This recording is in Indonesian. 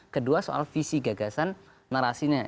kedua soal visi gagasan narasinya